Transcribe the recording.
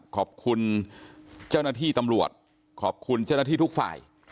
ขอบคุณเจ้าหน้าที่ตำรวจขอบคุณเจ้าหน้าที่ทุกฝ่าย